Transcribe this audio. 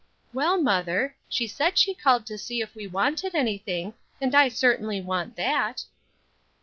"Well, mother, she said she called to see if we wanted anything, and I certainly want that."